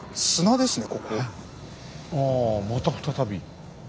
あまた再び。